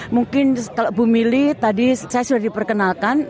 mungkin kalau bu mili tadi saya sudah diperkenalkan